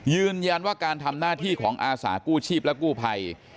ยืนยันว่าการทำหน้าที่ของอาสากู้ชีพและกู้ภัย